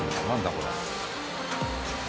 これ。